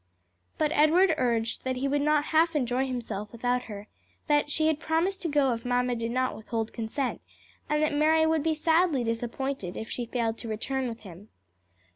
But Edward urged that he would not half enjoy himself without her, that she had promised to go if mamma did not withhold consent, and that Mary would be sadly disappointed if she failed to return with him.